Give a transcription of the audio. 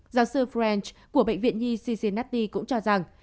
giáo sư french của bệnh viện nhi cincinnati cũng cho rằng